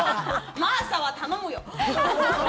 真麻は頼むよ！